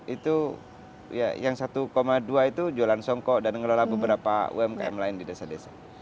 itu yang satu dua itu jualan songkok dan mengelola beberapa umkm lain di desa desa